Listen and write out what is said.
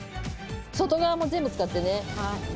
外側も全部使ってね。